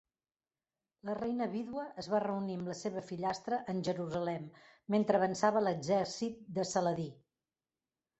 La reina vídua es va reunir amb la seva fillastra en Jerusalem mentre avançava l'exèrcit de Saladí.